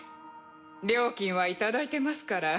料金は頂いてますから。